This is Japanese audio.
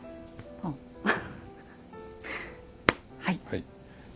はい。